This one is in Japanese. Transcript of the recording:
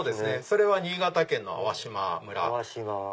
それは新潟県の粟島村。